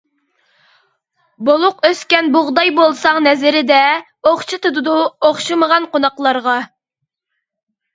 بولۇق ئۆسكەن بۇغداي بولساڭ نەزىرىدە، ئوخشىتىدۇ ئوخشىمىغان قوناقلارغا.